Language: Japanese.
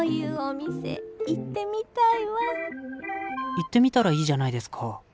行ってみたらいいじゃないですか。